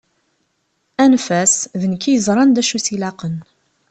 Anef-as, d nekk i yeẓran d acu i as-ilaqen.